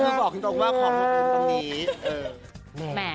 ก็รอติดตามกันนะครับ